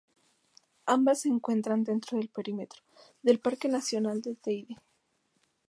Ambas se encuentran dentro del perímetro del Parque nacional del Teide.